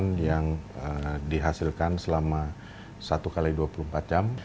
vaksin yang dihasilkan selama satu x dua puluh empat jam